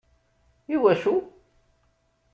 Iwacu?